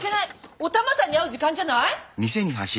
お玉さんに会う時間じゃない？